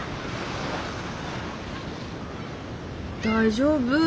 大丈夫？